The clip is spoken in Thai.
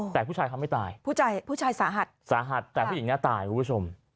แต่ผู้ชายเขาไม่ตายผู้ชายผู้ชายสาหัสสาหัสแต่ผู้หญิงเนี่ยตายคุณผู้ชม